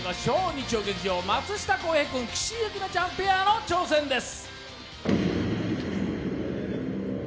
日曜劇場松下洸平君・岸井ゆきのちゃんペアの挑戦です。